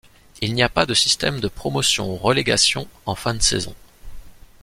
Il n'y a pas de système de promotion-relégation en fin de saison.